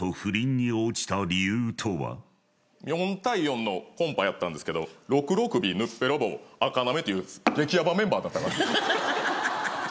４対４のコンパやったんですけどろくろ首のっぺらぼうあかなめという激ヤバメンバーだったから。